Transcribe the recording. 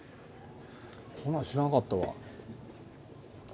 こんなの知らなかったわ。